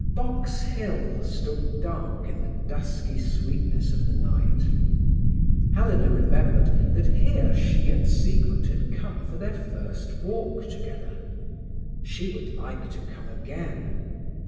Box Hill stood dark in the dusky sweetness of the night. Helena remembered that here she and Siegmund had come for their first walk together. She would like to come again.